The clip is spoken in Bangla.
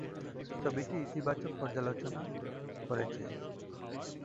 ছবিটি ইতিবাচক পর্যালোচনা অর্জন করেছে।